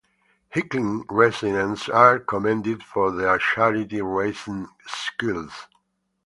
Hickling residents are commended for their charity raising skills.